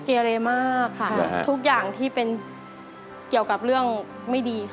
เกเรมากค่ะทุกอย่างที่เป็นเกี่ยวกับเรื่องไม่ดีค่ะ